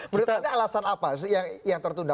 menurut anda alasan apa yang tertunda